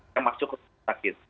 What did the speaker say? yang masuk ke sakit